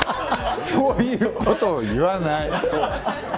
そういうことを言わない。